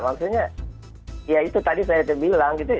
maksudnya ya itu tadi saya bilang gitu